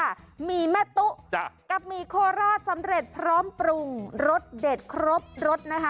หมี่แม่ตุ๊กกับหมี่โคราชพร้อมปรุงรสได้ครบรส